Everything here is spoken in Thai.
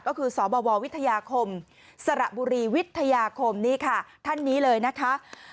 ก็คือสบววิทยาคมสระบุรีวิทยาคมนี่ค่ะท่านนี้เลยนะคะ